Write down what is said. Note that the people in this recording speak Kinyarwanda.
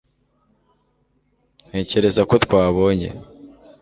ntekereza ko twabonye